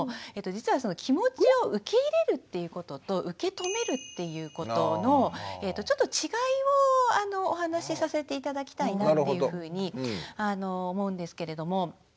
実は気持ちを受け入れるっていうことと受け止めるっていうことのちょっと違いをお話しさせて頂きたいなっていうふうに思うんですけれども。